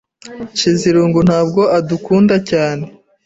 Nshizirungu ntabwo adukunda cyane.